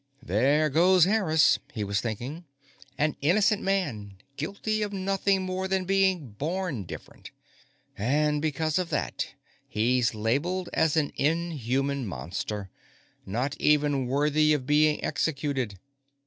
There goes Harris, he was thinking. _An innocent man, guilty of nothing more than being born different. And because of that, he's labelled as an inhuman monster, not even worthy of being executed.